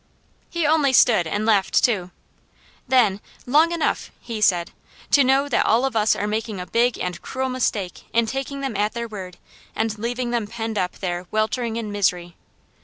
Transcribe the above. He only stood and laughed too; then, "Long enough," he said, "to know that all of us are making a big and cruel mistake in taking them at their word, and leaving them penned up there weltering in misery.